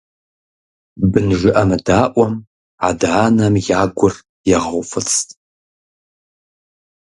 Бын жыӀэмыдаӀуэм адэ-анэм я гур егъэуфӀыцӀ.